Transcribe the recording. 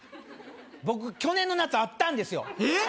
僕去年の夏あったんですよえっ！？